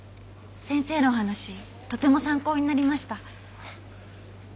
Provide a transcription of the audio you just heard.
先生のお話とても参考になりました。